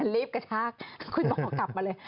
รีบกระชากคุณหมอกลับมาเลย